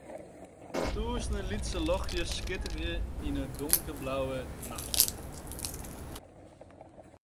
Tûzenen lytse ljochtsjes skitteren yn in donkerblauwe nachtloft.